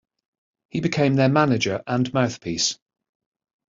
He became their manager and mouthpiece.